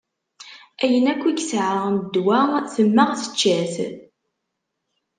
Ayen akk i yesɛa n ddwa temmeɣ tečča-t.